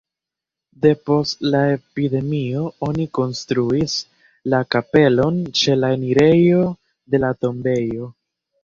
Depost la epidemio oni konstruis la kapelon ĉe la enirejo de la tombejo.